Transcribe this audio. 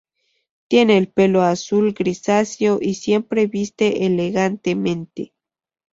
Tiene el pelo azul grisáceo y siempre viste elegantemente.